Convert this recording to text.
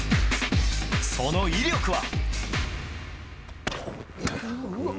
その威力は？